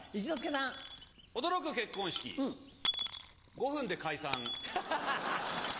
５分で解散。